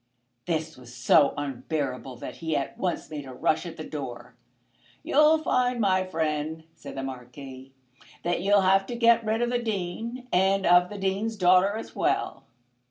This was so unbearable that he at once made a rush at the door. "You'll find, my friend," said the Marquis, "that you'll have to get rid of the Dean and of the Dean's daughter as well."